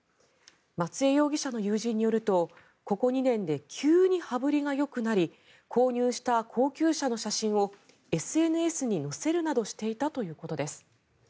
松江容疑者の友人によるとここ２年で急に羽振りがよくなり購入した高級車の写真をＳＮＳに載せるなどしていたということです。